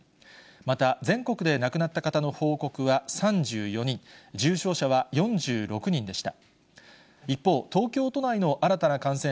また、全国で亡くなった方の報告は３４人、重症者は４６人でした。